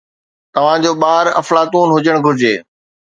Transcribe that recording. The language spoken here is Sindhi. توهان جو ٻار افلاطون هجڻ گهرجي